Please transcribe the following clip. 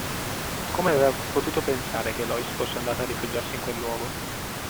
Come aveva potuto pensare che Lois fosse andata a rifugiarsi in quel luogo?